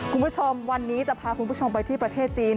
คุณผู้ชมวันนี้จะพาคุณผู้ชมไปที่ประเทศจีน